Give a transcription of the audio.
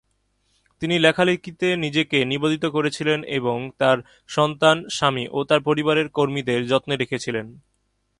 তিনি লেখালেখিতে নিজেকে নিবেদিত করেছিলেন এবং তার সন্তান, স্বামী ও তার পরিবারের কর্মীদের যত্নে রেখেছিলেন।